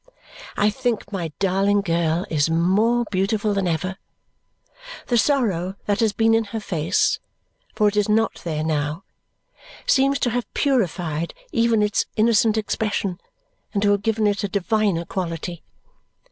I think my darling girl is more beautiful than ever. The sorrow that has been in her face for it is not there now seems to have purified even its innocent expression and to have given it a diviner quality.